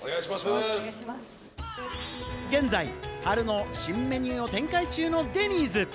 現在、春の新メニューを展開中のデニーズ。